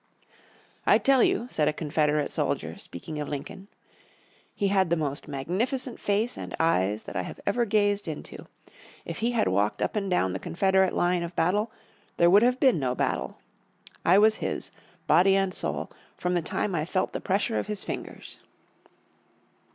"I tell you," said a Confederate soldier, speaking of Lincoln, "he had the most magnificient face and eyes that I have ever gazed into. If he had walked up and down the Confederate line of battle there would have been no battle. I was his, body and soul, from the time I felt the pressure of his fingers."